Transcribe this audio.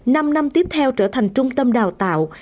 năm năm tiếp theo trở thành trung tâm đào tạo